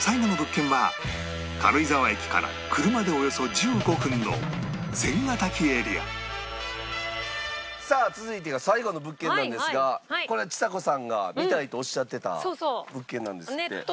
最後の物件は軽井沢駅から車でおよそ１５分の千ヶ滝エリアさあ続いてが最後の物件なんですがこれはちさ子さんが見たいとおっしゃってた物件なんですって。